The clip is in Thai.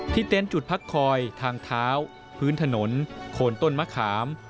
เต็นต์จุดพักคอยทางเท้าพื้นถนนโคนต้นมะขาม